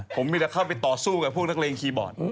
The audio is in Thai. ผมมีแต่เข้าไปต่อสู้กับพวกนักเลงคีย์บอร์ด